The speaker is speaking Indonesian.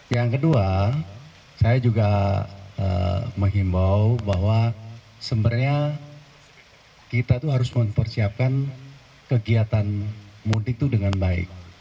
yang kedua saya juga menghimbau bahwa sebenarnya kita itu harus mempersiapkan kegiatan mudik itu dengan baik